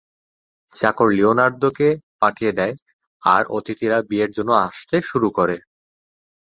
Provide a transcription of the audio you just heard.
চাকর লিওনার্দোকে পাঠিয়ে দেয়, আর অতিথিরা বিয়ের জন্য আসতে শুরু করে।